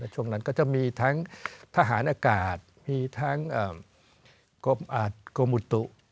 ช่วงนั้นก็จะมีทั้งทหารอากาศมีทั้งกรมอุตุ